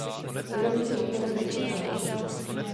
Je rovněž autorem muzikálů.